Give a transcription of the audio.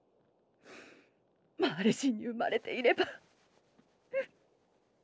マーレ人に生まれていれば。